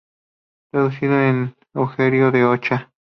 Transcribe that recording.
Traducción de Eugenio de Ochoa.